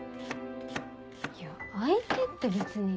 いや相手って別に。